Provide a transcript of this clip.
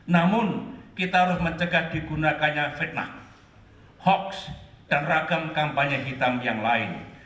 namun kita harus mencegah digunakannya fitnah hoaks dan ragam kampanye hitam yang lain